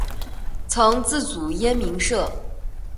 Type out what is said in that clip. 曾自组燕鸣社。